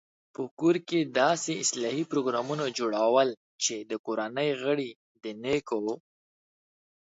په کور کې د داسې اصلاحي پروګرامونو جوړول چې د کورنۍ غړي د نېکو